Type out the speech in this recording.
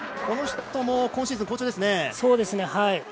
この人も今シーズン好調ですね。